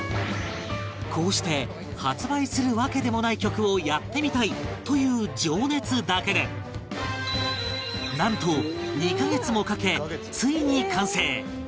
こうして発売するわけでもない曲をやってみたいという情熱だけでなんと２カ月もかけついに完成